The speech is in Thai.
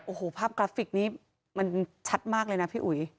โอ้โหภาพกราฟิกนี้มันชัดมากเลยนะพี่อุ๋ย